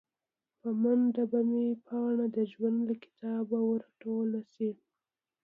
په منډه به مې پاڼه د ژوند له کتابه ور ټوله شي